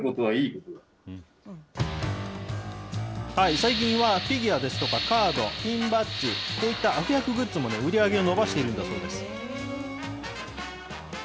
最近はフィギュアですとかカード、ピンバッジ、こういった悪役グッズも売り上げを伸ばしているんだそうです。